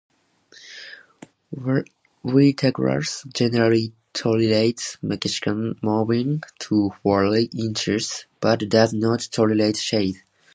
Wheatgrass generally tolerates Mexican mowing to four inches, but does not tolerate shade.